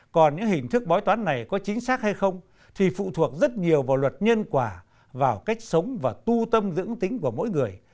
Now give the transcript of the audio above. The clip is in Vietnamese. còn những hình thức bói toán này có chính xác hay không thì phụ thuộc rất nhiều vào luật nhân quả vào cách sống và tu tâm dưỡng tính của mỗi người